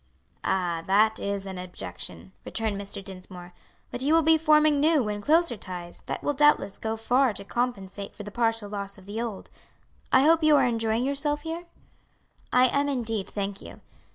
"Ah, that is an objection," returned Mr. Dinsmore; "but you will be forming new and closer ties, that will doubtless go far to compensate for the partial loss of the old. I hope you are enjoying yourself here?" "I am indeed, thank you."